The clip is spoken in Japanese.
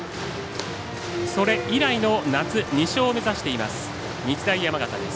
それ以来の夏２勝を目指しています日大山形です。